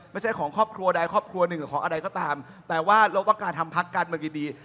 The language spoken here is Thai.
ไม่ใช่ของครอบครัวใดครอบครัวหนึ่งหรือของอะไรก็ตามแต่ว่าเราต้องการทำพักการเมืองดี